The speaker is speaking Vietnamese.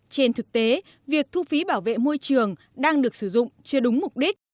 trên thực tế việc thu phí bảo vệ môi trường đang được sử dụng chưa đúng mục đích